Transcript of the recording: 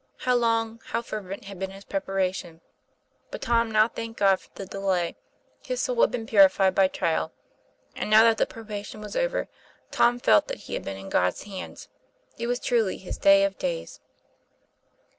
How long, how fervent, had been his prepa ration! But Tom now thanked God for the delay. His soul had been purified by trial. And now that the probation was over, Tom felt that he had been in God's hands. It was truly his day of days.